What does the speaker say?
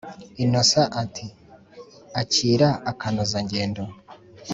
innocent ati”akira akanoza ngendo